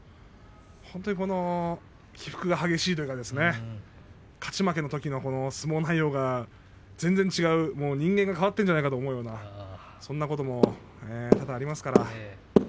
本当に起伏が激しいというか勝ち負けのときの相撲の内容が全然違う人間が変わっているんじゃないかと思うようなそんなことも多々あります。